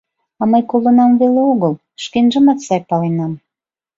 — А мый колынам веле огыл, шкенжымат сай паленам.